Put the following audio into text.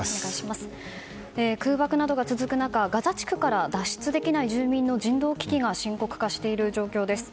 空爆などが続く中ガザ地区から脱出できない住民の人道危機が深刻化している状況です。